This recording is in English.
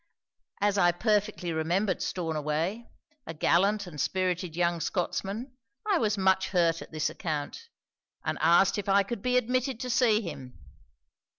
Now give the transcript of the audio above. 'As I perfectly remembered Stornaway, a gallant and spirited young Scotsman, I was much hurt at this account, and asked if I could be admitted to see him.